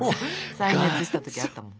再熱した時あったもん。